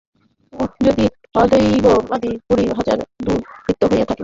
যদি অদ্বৈতবাদী কুড়ি হাজার দুর্বৃত্ত হইয়া থাকে, তবে দ্বৈতবাদীও কুড়ি হাজার দেখিতে পাইবে।